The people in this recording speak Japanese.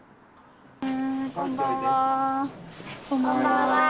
こんばんはー。